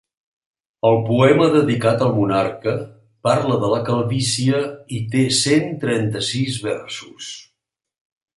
El poema dedicat al monarca parla de la calvície i té cent trenta-sis versos.